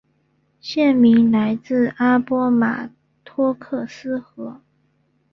县名来自阿波马托克斯河。